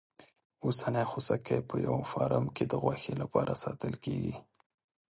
اوسنی خوسکی په یوه فارم کې د غوښې لپاره ساتل کېږي.